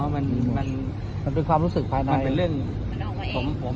มันเป็นความรู้สึกภายใน